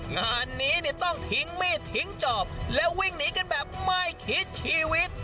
งานนี้เนี่ยต้องทิ้งมีดทิ้งจอบและวิ่งหนีกันแบบไม่คิดชีวิต